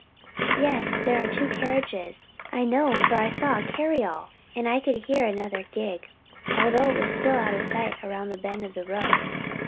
"Yes, there are two carriages, I know, for I saw a cariole, and I could hear another gig, although it was still out of sight round the bend of the road.